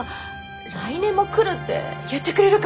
「来年も来る」って言ってくれるかも！